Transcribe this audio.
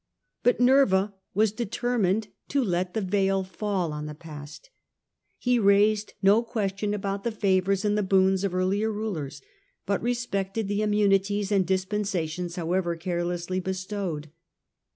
But Nerva was determined to let the veil fall on the past. He raised no question about the favours and the boons of earlier rulers, but respected the immunities and dispensations however carelessly bestowed.